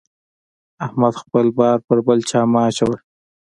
احمده! خپل بار پر بل چا مه اچوه.